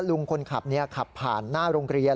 ลุงคนขับขับผ่านหน้าโรงเรียน